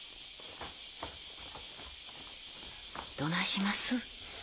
どないします？